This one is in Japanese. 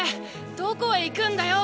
どこへ行くんだよ